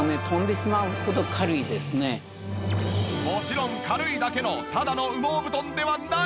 もちろん軽いだけのただの羽毛布団ではない！